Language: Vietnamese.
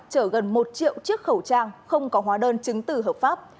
chở gần một triệu chiếc khẩu trang không có hóa đơn chứng từ hợp pháp